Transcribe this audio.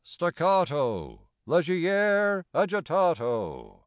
Staccato! Leggier agitato!